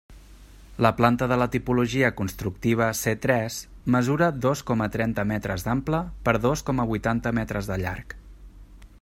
La planta de la tipologia constructiva C tres mesura dos coma trenta metres d'ample per dos coma vuitanta metres de llarg.